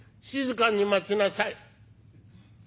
「静かに待ちなさい」。